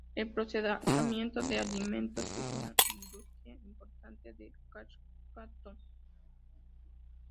El procesamiento de alimentos es una industria importante de Saskatoon.